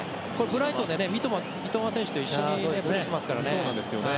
ブライトンで、三笘選手と一緒にプレーしてますからね。